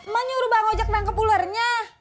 mah nyuruh bang ojak nangkep ulernya